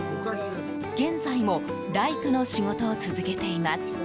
現在も大工の仕事を続けています。